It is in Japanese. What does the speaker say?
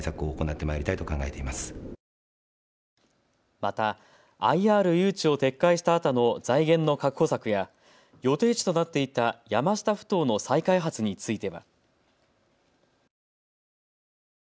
また、ＩＲ誘致を撤回したあとの財源の確保策や予定地となっていた山下ふ頭の再開発については。